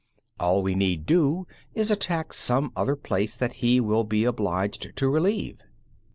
All we need do is attack some other place that he will be obliged to relieve.